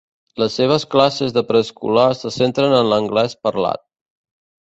Les seves classes de preescolar se centren en l'anglès parlat.